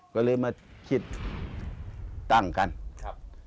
ก็เลยมาคิดตั้งกันครับ